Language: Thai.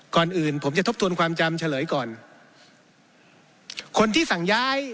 ก่อนอื่นผมจะทบทวนความจำเฉลยก่อนคนที่สั่งย้าย